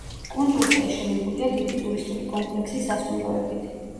კუნძულზე აშენებულია დიდი ტურისტული კომპლექსი სასტუმროებით.